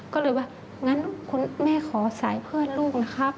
ก็เลยว่างั้นคุณแม่ขอสายเพื่อนลูกนะครับ